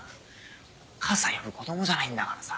お母さん呼ぶ子供じゃないんだからさ。